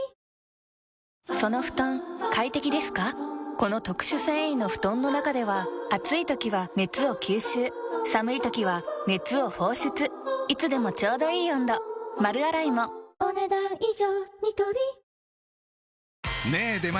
この特殊繊維の布団の中では暑い時は熱を吸収寒い時は熱を放出いつでもちょうどいい温度丸洗いもお、ねだん以上。